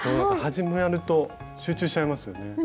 始まると集中しちゃいますよね。